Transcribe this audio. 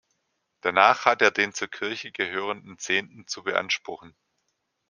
Danach hat er den zur Kirche gehörenden Zehnten zu beanspruchen.